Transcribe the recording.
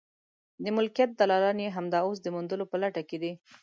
د ملکیت دلالان یې همدا اوس د موندلو په لټه کې دي.